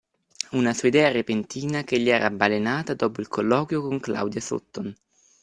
Una sua idea repentina, che gli era balenata dopo il colloquio con Claudia Sutton;